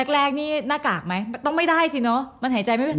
แรกนี่หน้ากากมั้ยต้องไม่ได้จริงเนาะมันหายใจไม่ทันอะ